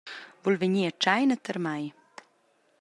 Vul vegnir a tscheina tier mei?